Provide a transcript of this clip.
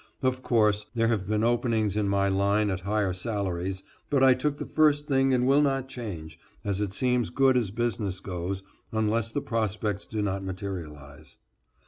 Of course, there have been openings in my line at higher salaries, but I took the first thing and will not change, as it seems good as business goes, unless the prospects do not materialize.